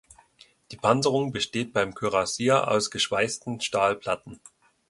Die Panzerung besteht wie beim "Kürassier" aus geschweißten Stahlplatten.